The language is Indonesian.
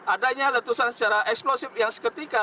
adanya letusan secara eksplosif yang seketika